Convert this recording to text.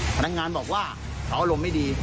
พนักงานบอกว่าเขาอารมณ์ไม่ดี